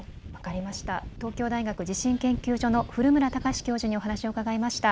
東京大学地震研究所の古村孝志教授にお話を伺いました。